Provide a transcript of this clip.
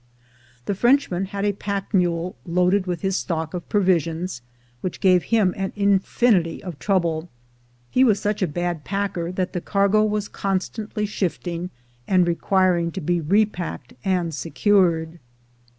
The Frenchman had a pack mule loaded with his stock of provisions, which gave him an infinity of trouble. He was such a bad packer that the cargo was constantly shifting, and requiring to be repacked and secured.